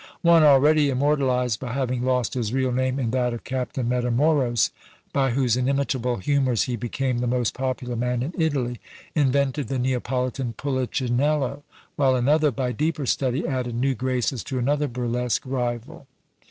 One, already immortalised by having lost his real name in that of Captain Matamoros, by whose inimitable humours he became the most popular man in Italy, invented the Neapolitan Pullicinello; while another, by deeper study, added new graces to another burlesque rival.